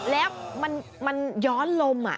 แล้วมันย้อนลม